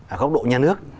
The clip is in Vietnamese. ở góc độ nhà nước